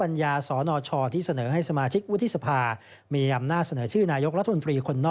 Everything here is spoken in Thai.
ผมไม่สามารถ